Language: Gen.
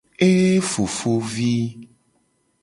Ee fofovi.